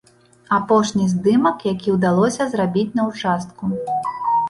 Апошні здымак, які удалося зрабіць на участку.